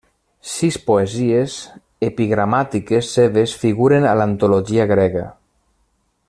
Sis poesies epigramàtiques seves figuren a l'antologia grega.